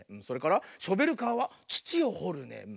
それからショベルカーはつちをほるね。